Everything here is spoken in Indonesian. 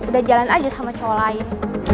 udah jalan aja sama cowok lain